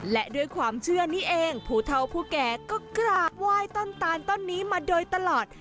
และด้วยความเชื่อนี้เองผู้เท่าผู้แก่ก็กราบไหว้ต้นตาลต้นนี้มาโดยตลอด